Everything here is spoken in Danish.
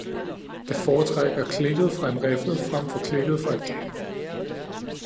Det foretrækker klikket fra en riffel frem for klikket fra et kamera.